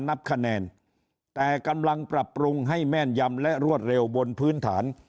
นับคะแนนแต่กำลังปรับปรุงให้แม่นยำและรวดเร็วบนพื้นฐาน